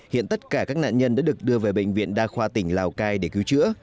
hiện tất cả các nạn nhân đã được đưa về bệnh viện đa khoa tỉnh lào cai để cứu chữa